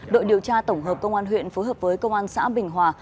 đội điều tra tổng hợp công an huyện phối hợp với công an xã bình hòa